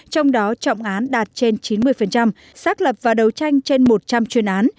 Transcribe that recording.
trong đó trọng án đạt trên chín mươi xác lập và đấu tranh trên một trăm linh chuyên án